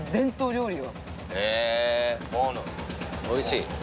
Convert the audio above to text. おいしい。